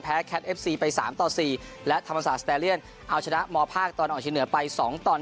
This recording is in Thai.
แคทเอฟซีไป๓ต่อ๔และธรรมศาสตาเลียนเอาชนะมภาคตอนออกเชียงเหนือไป๒ต่อ๑